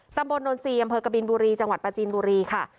ตำบลโดน๔อำเภอกบิลบุรีจังหวัดประจีนบุรีค่ะ